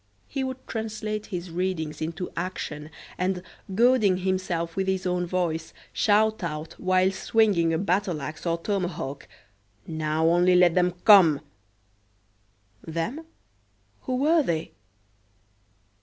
He would translate his readings into action, and, goading himself with his own voice, shout out whilst swinging a battle axe or tomahawk: "Now, only let 'em come!" "Them"? who were they?